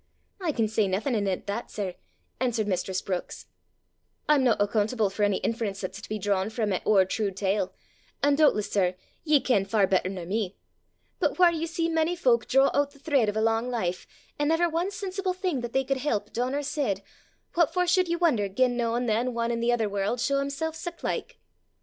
"I can say naething anent that, sir," answered mistress Brookes; "I'm no accoontable for ony inference 'at's to be drawn frae my ower true tale; an' doobtless, sir, ye ken far better nor me; but whaur ye see sae mony folk draw oot the threid o' a lang life, an' never ae sensible thing, that they could help, dune or said, what for should ye won'er gien noo an' than ane i' the ither warl' shaw himsel' siclike.